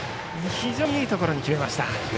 非常にいいところに決めました。